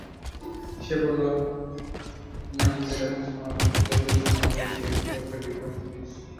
সে বলল, তোমরা নিজেরা এবং তোমাদের পিতৃ-পুরুষগণও রয়েছে স্পষ্ট বিভ্রান্তিতে।